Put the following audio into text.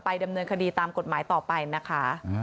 ดำเนินคดีตามกฎหมายต่อไปนะคะ